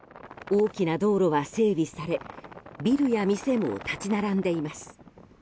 大きな道路は整備されビルや店も立ち並んでいます。